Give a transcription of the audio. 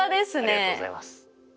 ありがとうございます。